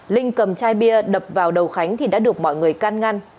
linh cầm chai bia đập vào đầu khánh thì đã được mọi người can ngăn